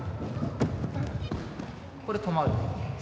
ここで止まる。